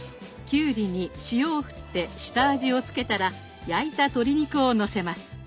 きゅうりに塩を振って下味をつけたら焼いた鶏肉をのせます。